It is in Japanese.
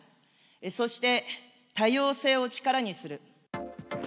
そして多様性を力にする。